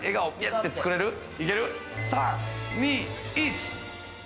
３・２・１。